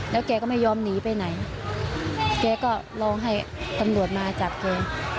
แล้วแกก็ไม่ยอมหนีไปไหนแกก็ลองให้ตำรวจมาจับแก